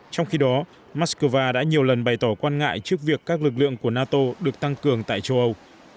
trong khi đó moscow đã nhiều lần bày tỏ quan ngại trước việc các lực lượng của nato được tăng cường tại châu âu